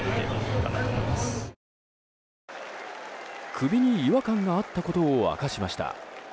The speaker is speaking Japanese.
首に違和感があったことを明かしました。